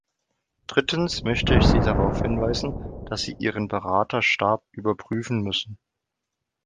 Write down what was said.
Drittens möchte ich Sie darauf hinweisen, dass Sie Ihren Beraterstab überprüfen müssen.